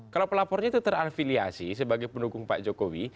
kalau pelapornya itu ter anfiliasi sebagai pendukung pak jokowi